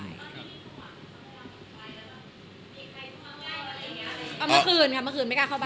เอาเมื่อคืนค่ะเมื่อคืนไม่กล้าเข้าไป